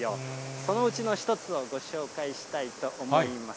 そのうちの一つをご紹介したいと思います。